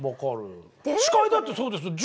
司会だってそうですよ。